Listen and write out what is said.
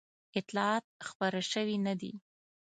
اطلاعات خپاره شوي نه دي.